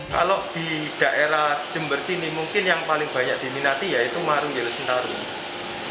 kalau di daerah jember sini mungkin yang paling banyak diminati yaitu maru yelusintaru